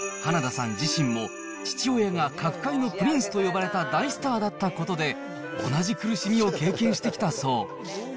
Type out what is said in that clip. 花田さん自身も、父親が角界のプリンスと呼ばれた大スターだったことで、同じ苦しみを経験してきたそう。